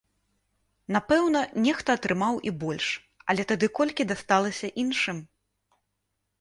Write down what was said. Напэўна, нехта атрымаў і больш, але тады колькі дасталася іншым?